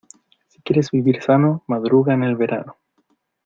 Si quieres vivir sano, madruga en el verano.